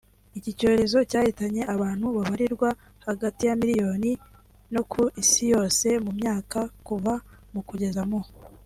Iki cyorezo cyahitanye abantu babarirwa hagati ya miliyoni n’ ku isi yose mu myaka kuva mu kugeza mu